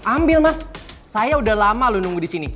ambil mas saya udah lama loh nunggu di sini